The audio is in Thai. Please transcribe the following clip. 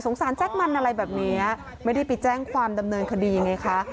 สารแจ๊คมันอะไรแบบนี้ไม่ได้ไปแจ้งความดำเนินคดีไงคะ